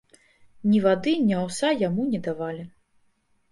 Ні вады, ні аўса яму не давалі.